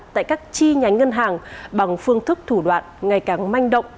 tại các chi nhánh ngân hàng bằng phương thức thủ đoạn ngày càng manh động